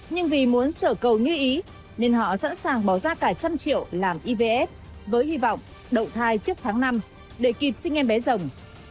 nhưng vì muốn sở cầu như ý nên họ sẵn sàng bỏ ra cả trăm triệu làm ivf với hy vọng đậu thai trước tháng năm để kịp sinh em bé rồng